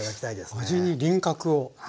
へえ味に輪郭を。